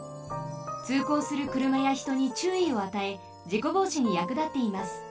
つうこうするくるまやひとにちゅういをあたえじこぼうしにやくだっています。